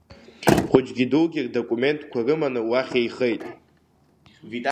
Хәыҷгьы-дугьы рдокументқәа рыманы уахь еихеит.